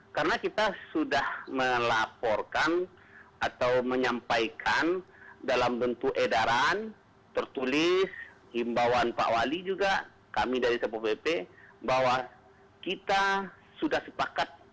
karena kita sudah melaporkan atau menyampaikan dalam bentuk edaran tertulis himbawan pak wali juga kami dari sppb bahwa kita sudah sepakat